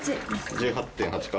１８．８か？